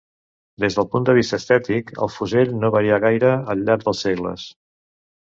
Des del punt de vista estètic, el fusell no varià gaire al llarg dels segles.